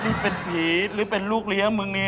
นี่เป็นผีหรือเป็นลูกเลี้ยงมึงนี่